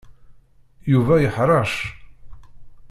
Yuba yeḥṛec.